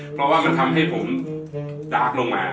เพราะว่ามันทำให้ผมดาบลงมา